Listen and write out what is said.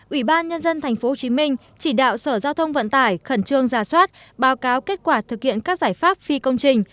ủy ban nhân dân tp hcm chỉ đạo sở giao thông vận tải khẩn trương ra soát báo cáo kết quả thực hiện các giải pháp phi công trình